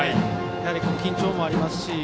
やはり緊張もありますし。